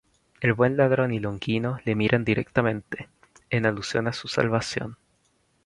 El Buen Ladrón y Longino le miran directamente, en alusión a su salvación.